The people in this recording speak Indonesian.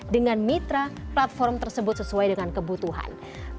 dengan mitra platform tersebut sesuai dengan kebutuhan